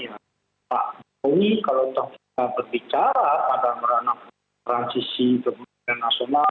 pak jokowi kalau sudah berbicara pada meranak transisi kebangunan nasional